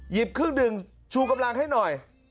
หยิบครึ่งหนึ่งชูกำลังให้หน่อย